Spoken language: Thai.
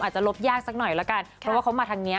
จะลบยากสักหน่อยละกันเพราะว่าเขามาทางนี้